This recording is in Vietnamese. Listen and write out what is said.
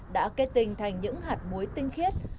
đã kết tinh thành những hạt muối tinh khiết